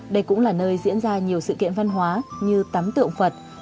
đây cũng là nơi diễn ra nhiều sự kiện văn hóa như tắm tượng phật